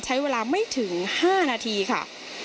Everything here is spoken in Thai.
ใช้เวลาไม่ถึง๕นาทีค่ะ